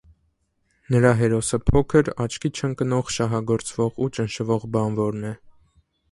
Նրա հերոսը փոքր, աչքի չընկնող, շահագործվող ու ճնշվող բանվորն է։